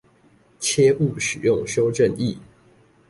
切勿使用修正液